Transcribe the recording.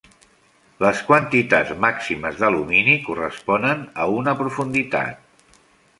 Les quantitats màximes d'alumini corresponen a una profunditat.